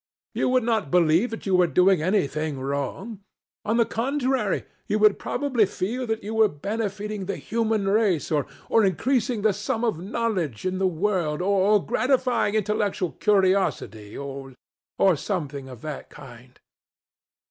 You would not believe that you were doing anything wrong. On the contrary, you would probably feel that you were benefiting the human race, or increasing the sum of knowledge in the world, or gratifying intellectual curiosity, or something of that kind.